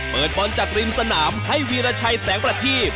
เปิดบอลจากริมสนามให้วีรชัยแสงประทีบ